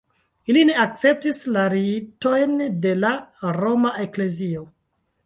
Ili ne akceptis la ritojn de la Roma eklezio.